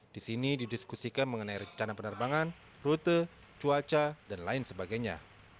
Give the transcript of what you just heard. di sini didiskusikan mengenai rencana penerbangan rute cuaca dan lain sebagainya